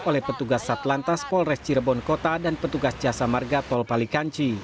oleh petugas satlantas polres cirebon kota dan petugas jasa marga tol palikanci